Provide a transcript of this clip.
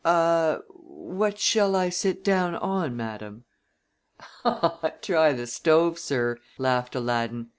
"Ah what shall I sit down on, madam?" "Try the stove, sir," laughed Aladdin.